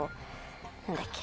何だっけ？